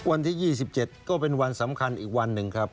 วันที่๒๗ก็เป็นวันสำคัญอีกวันหนึ่งครับ